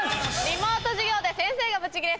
「リモート授業で先生がブチ切れ」